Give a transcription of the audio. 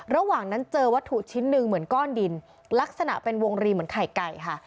ระหว่างนั้นเจอวัตถุชิ้นหนึ่งเหมือนก้อนดินลักษณะเป็นวงรีเหมือนไข่ไก่ค่ะ